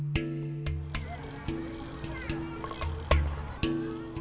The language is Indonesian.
ketika berada di kota